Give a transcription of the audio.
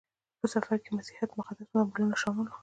په سفر کې د مسیحیت مقدس سمبولونه شامل وو.